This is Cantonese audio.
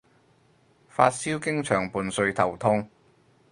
發燒經常伴隨頭痛